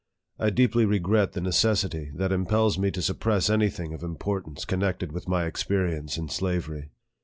I deeply regret the neces sity that impels me to suppress any thing of impor tance connected with my experience in slavery.